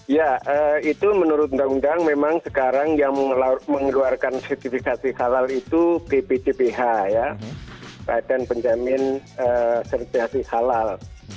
ya itu menurut undang undang memang sekarang yang mengeluarkan sertifikasi halal itu bpjph ya badan penjamin sertifikasi halal